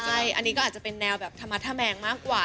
ใช่อันนี้ก็อาจจะเป็นแนวแบบธรรมธแมงมากกว่า